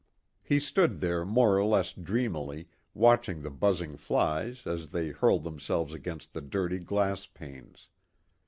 He stood there more or less dreamily, watching the buzzing flies as they hurled themselves against the dirty glass panes.